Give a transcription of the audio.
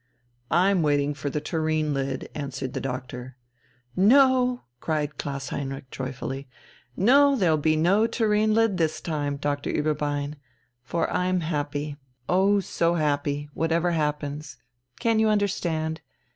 "I'm waiting for the tureen lid," answered the doctor. "No!" cried Klaus Heinrich joyfully. "No, there'll be no tureen lid this time, Doctor Ueberbein, for I am happy, oh so happy, whatever happens can you understand?